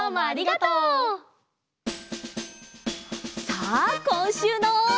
さあこんしゅうの。